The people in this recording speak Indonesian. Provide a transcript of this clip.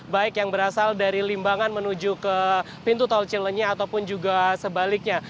baik yang berasal dari limbangan menuju ke pintu tol cilenyi ataupun juga sebaliknya